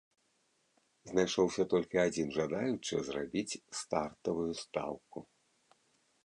Знайшоўся толькі адзін жадаючы зрабіць стартавую стаўку.